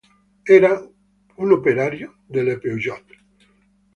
Era un operaio della Peugeot.